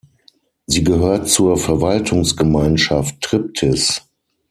Sie gehört zur Verwaltungsgemeinschaft Triptis.